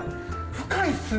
深いっすね。